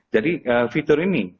jadi fitur ini